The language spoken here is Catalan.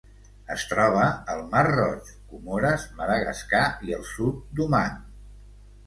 Es troba al Mar Roig, Comores, Madagascar i el sud d'Oman.